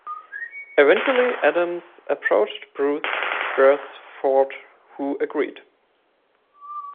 Eventually Adams approached Bruce Beresford, who agreed.